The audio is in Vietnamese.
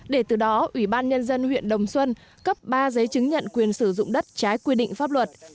để từ đó ủy ban nhân dân huyện đồng xuân cấp ba giấy chứng nhận quyền sử dụng đất trái quy định pháp luật